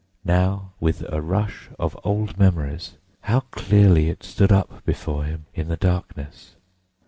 Now, with a rush of old memories, how clearly it stood up before him, in the darkness!